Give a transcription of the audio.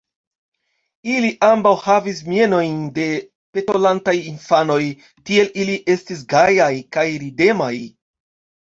Ili ambaŭ havis mienojn de petolantaj infanoj, tiel ili estis gajaj kaj ridemaj.